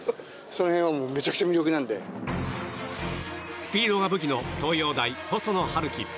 スピードが武器の東洋大細野晴希。